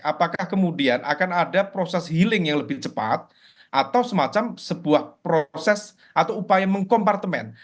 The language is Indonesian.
apakah kemudian akan ada proses healing yang lebih cepat atau semacam sebuah proses atau upaya mengkompartemen